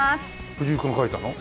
藤井君が書いたの？